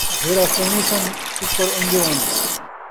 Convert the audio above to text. جھیڑا سن٘ویں سن٘ج، ٹکر ان٘جو ان٘ج